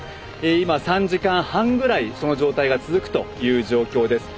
今、３時間半ぐらいその状態が続いている状況です。